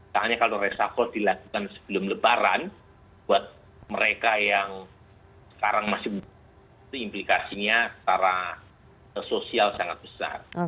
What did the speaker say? karena kalau reshuffle dilakukan sebelum lebaran buat mereka yang sekarang masih muda itu implikasinya secara sosial sangat besar